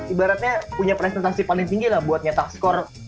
ibaratnya punya presentasi paling tinggi lah buat nyetak skor